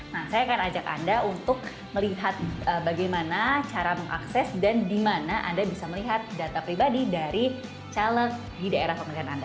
nah saya akan ajak anda untuk melihat bagaimana cara mengakses dan di mana anda bisa melihat data pribadi dari caleg di daerah pemilihan anda